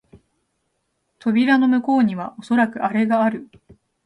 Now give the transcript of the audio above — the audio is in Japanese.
扉の向こうにはおそらくアレがある